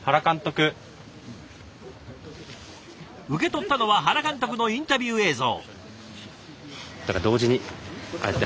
受け取ったのは原監督のインタビュー映像。